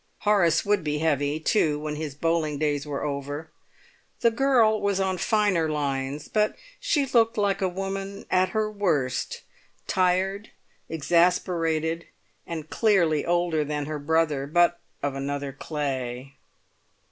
Horace would be heavy, too, when his bowling days were over. The girl was on finer lines; but she looked like a woman at her worst; tired, exasperated, and clearly older than her brother, but of other clay.